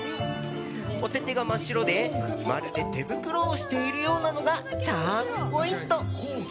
お手手が真っ白でまるで手袋をしているようなのがチャームポイント。